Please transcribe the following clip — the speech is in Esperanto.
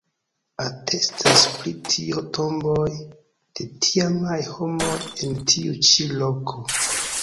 Atestas pri tio tomboj de tiamaj homoj en tiu ĉi loko.